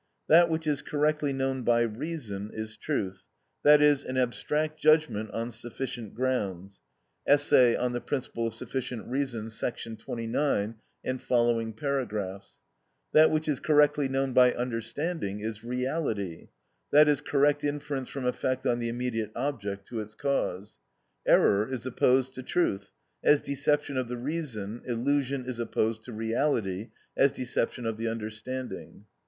That which is correctly known by reason is truth, that is, an abstract judgment on sufficient grounds (Essay on the Principle of Sufficient Reason, § 29 and following paragraphs); that which is correctly known by understanding is reality, that is correct inference from effect on the immediate object to its cause. Error is opposed to truth, as deception of the reason: illusion is opposed to reality, as deception of the understanding.